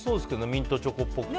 ミントチョコっぽくて。